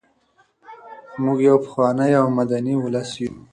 موږ یو پخوانی او مدني ولس یو.